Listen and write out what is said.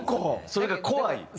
それが怖いん？